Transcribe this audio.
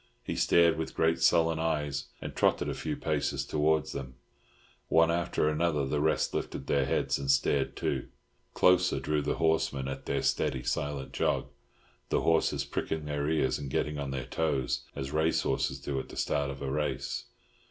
He stared with great sullen eyes and trotted a few paces towards them; one after another, the rest lifted their heads and stared too. Closer drew the horsemen at their steady, silent jog, the horses pricking their ears and getting on their toes as race horses do at the start of a race.